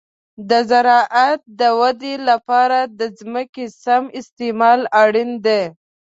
د زراعت د ودې لپاره د ځمکې سم استعمال اړین دی.